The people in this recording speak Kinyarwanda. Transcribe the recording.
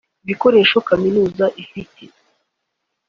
ibikoresho Kaminuza ifite